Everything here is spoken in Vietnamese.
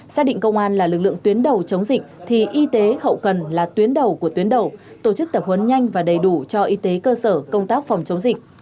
xác định công an là lực lượng tuyến đầu chống dịch thì y tế hậu cần là tuyến đầu của tuyến đầu tổ chức tập huấn nhanh và đầy đủ cho y tế cơ sở công tác phòng chống dịch